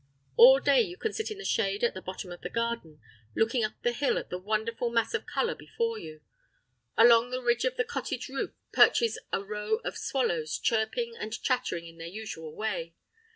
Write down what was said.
All day you can sit in the shade at the bottom of the garden, looking up the hill at the wonderful mass of colour before you. Along the ridge of the cottage roof perches a row of swallows, chirping and chattering in their usual way.